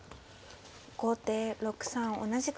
後手６三同じく玉。